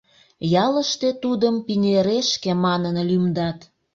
Ялыште тудым пинерешке манын лӱмдат.